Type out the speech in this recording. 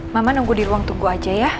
mama nunggu di ruang tunggu aja ya